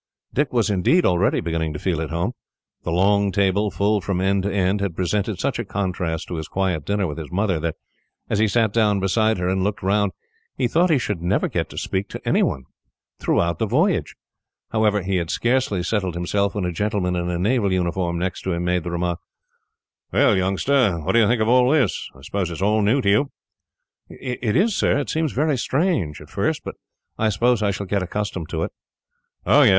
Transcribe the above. Dick was, indeed, already beginning to feel at home. The long table, full from end to end, had presented such a contrast to his quiet dinner with his mother, that, as he sat down beside her and looked round, he thought he should never get to speak to anyone throughout the voyage. However, he had scarcely settled himself when a gentleman in a naval uniform, next to him, made the remark: "Well, youngster, what do you think of all this? I suppose it is all new to you?" "It is, sir. It seems very strange, at first, but I suppose I shall get accustomed to it." "Oh, yes.